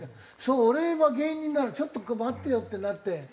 俺は芸人だからちょっと待ってよってなって。